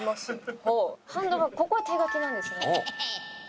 ハンドマンここは手書きなんですね。